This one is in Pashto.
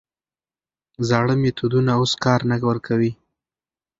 زاړه میتودونه اوس کار نه ورکوي.